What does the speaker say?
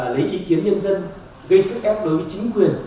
lấy ý kiến nhân dân gây sức ép đối với chính quyền